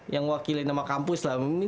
yang wakilin sama kampus lah